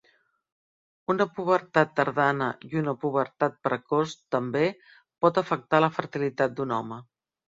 Una pubertat tardana, i una pubertat precoç també, pot afectar la fertilitat d'un home.